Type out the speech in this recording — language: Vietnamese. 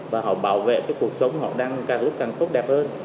và họ bảo vệ cái cuộc sống họ đang càng lúc càng tốt đẹp hơn